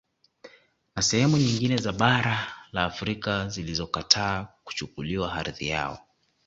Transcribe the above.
Na sehemu nyingine za bara la Afrika zilizokataa kuchukuliwa ardhi yao